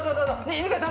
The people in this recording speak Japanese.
犬飼さん